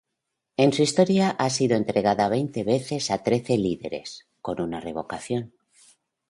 En su historia ha sido entregada veinte veces a trece líderes, con una revocación.